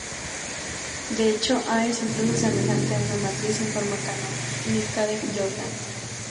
De hecho, "A" es incluso semejante a una matriz en forma canónica de Jordan.